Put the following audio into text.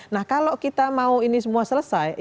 nah kalau kita mau ini semua selesai